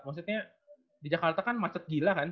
maksudnya di jakarta kan macet gila kan